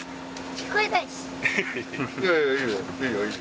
聞こえないし・